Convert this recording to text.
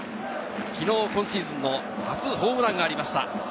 昨日、今シーズンの初ホームランがありました。